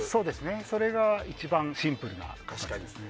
それが、一番シンプルな答えですね。